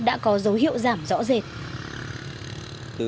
đã có dấu hiệu giảm rõ rệt